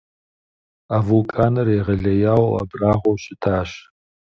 А вулканыр егъэлеяуэ абрагъуэу щытащ.